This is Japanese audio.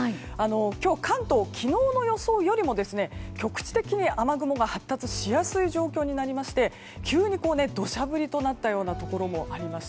今日、関東は昨日の予想より局地的に雨雲が発達しやすい状況で急に土砂降りとなったようなところもありました。